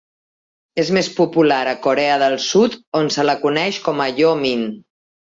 És més popular a Corea del Sud, on se la coneix com a Yoo Min.